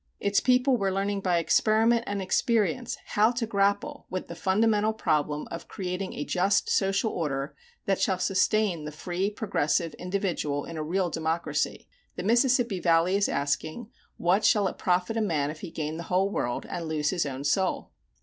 Its people were learning by experiment and experience how to grapple with the fundamental problem of creating a just social order that shall sustain the free, progressive, individual in a real democracy. The Mississippi Valley is asking, "What shall it profit a man if he gain the whole world and lose his own soul?"